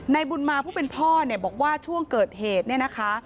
บุญมาผู้เป็นพ่อเนี่ยบอกว่าช่วงเกิดเหตุเนี่ยนะคะ